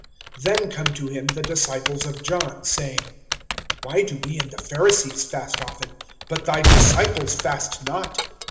(14)Then come to him the disciples of John, saying: Why do we and the Pharisees fast often, but thy disciples fast not?